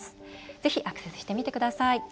ぜひ、アクセスしてみてください。